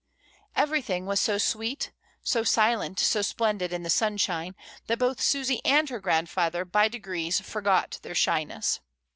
Ever3rthing was so sweet, so silent, so splendid in the sunshine that both Susy and her grandfather by degrees forgot their shyness.